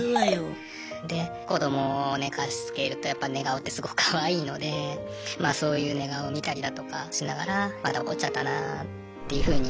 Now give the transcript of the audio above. で子どもを寝かしつけるとやっぱ寝顔ってすごくかわいいのでまあそういう寝顔を見たりだとかしながらまた怒っちゃったなっていうふうに。